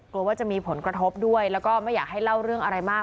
ว่าจะมีผลกระทบด้วยแล้วก็ไม่อยากให้เล่าเรื่องอะไรมาก